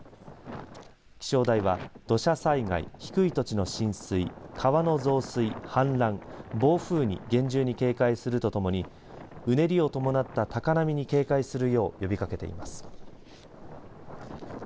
気象台は土砂災害低い土地の浸水川の増水・氾濫暴風に厳重に警戒するとともにうねりを伴った高波に警戒するよう呼びかけています。